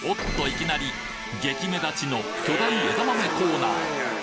いきなり激目立ちの巨大枝豆コーナー